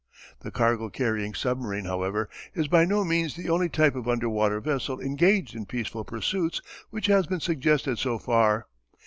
The cargo carrying submarine, however, is by no means the only type of underwater vessel engaged in peaceful pursuits which has been suggested so far.